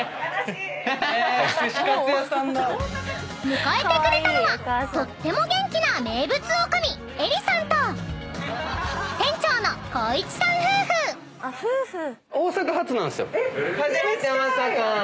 ［迎えてくれたのはとっても元気な名物女将恵理さんと店長の晃一さん夫婦］